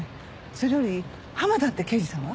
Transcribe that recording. それより浜田って刑事さんは？